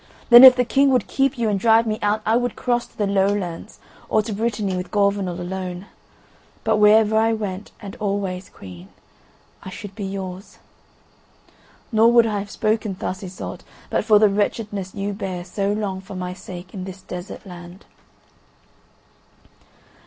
Then if the King would keep you and drive me out I would cross to the Lowlands or to Brittany with Gorvenal alone. But wherever I went and always, Queen, I should be yours; nor would I have spoken thus, Iseult, but for the wretchedness you bear so long for my sake in this desert land."